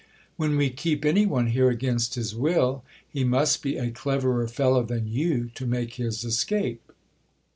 When we keep any one here against his will, he must be a cleverer fellow than you to make his escape.